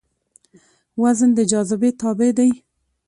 وزن د جاذبې تابع دی.